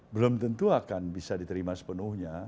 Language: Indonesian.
belum tentu akan bisa diterima sepenuhnya